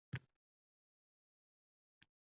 Birga ishlaydigan hamkasbimga uchrashib ko`raylik